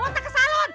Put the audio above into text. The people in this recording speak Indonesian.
botak ke salon